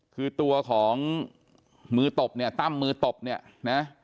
คือตัวของมือตบเนี่ยตั้มมือตบเนี่ยนะ